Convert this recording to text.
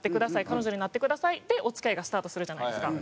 「彼女になってください」でお付き合いがスタートするじゃないですか。